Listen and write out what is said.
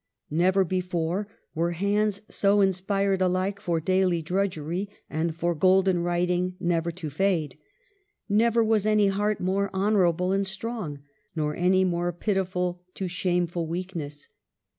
Never before were hands so inspired alike for daily drudgery, and for golden writing never to fade. Never was any heart more honorable and strong, nor any more pitiful to shameful weakness.